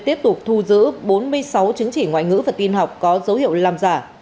tiếp tục thu giữ bốn mươi sáu chứng chỉ ngoại ngữ và tin học có dấu hiệu làm giả